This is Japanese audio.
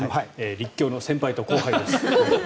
立教の先輩と後輩です。